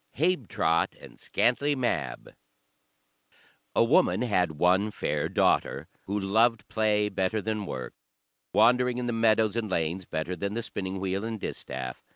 Habetrot and Scantlie Mab A woman had one fair daughter, who loved play better than work, wandering in the meadows and lanes better than the spinning wheel and distaff.